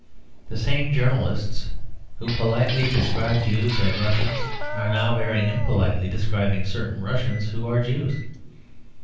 The same journalists who politely describe Jews as Russians are now very impolitely describing certain Russians who are Jews.